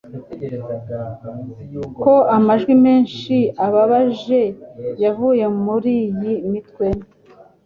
ko amajwi menshi ababaje yavuye muriyi mitwe